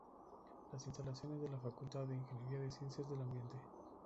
Las instalaciones de la Facultad de Ingeniería de Ciencias del Ambiente.